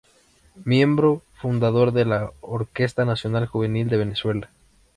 Miembro fundador de la Orquesta Nacional Juvenil de Venezuela.